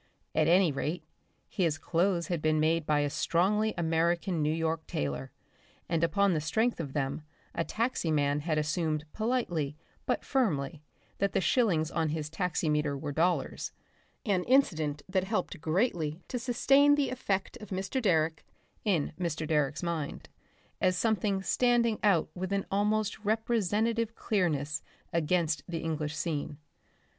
At any rate, his clothes had been made by a strongly American New York tailor, and upon the strength of them a taxi man had assumed politely but firmly that the shillings on his taximeter were dollars, an incident that helped greatly to sustain the effect of Mr. Direck, in Mr. Direck's mind, as something standing out with an almost representative clearness against the English scene....